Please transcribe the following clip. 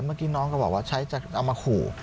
เมื่อกี้น้องก็บอกว่าใช้จะเอามาขู่